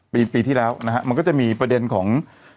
ปีที่แล้วนะฮะมันก็จะมีประเด็นของ